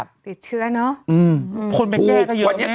เบลล่าเบลล่า